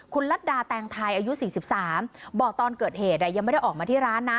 คุณรัฐดาแตงไทยอายุ๔๓บอกตอนเกิดเหตุยังไม่ได้ออกมาที่ร้านนะ